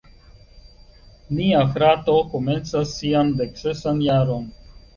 Mia frato komencas sian deksesan jaron.